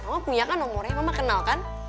oh punya kan nomornya mama kenal kan